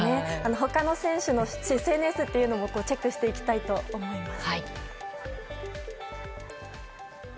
他の選手のＳＮＳというのもチェックしていきたいと思います。